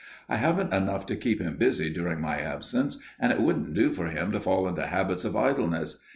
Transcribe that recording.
"I haven't enough to keep him busy during my absence and it wouldn't do for him to fall into habits of idleness.